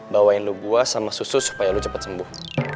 bawain lo gue sama susu supaya lo cepet sembuh